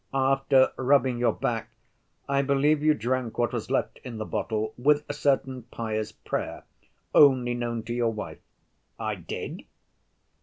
After rubbing your back, I believe, you drank what was left in the bottle with a certain pious prayer, only known to your wife?" "I did."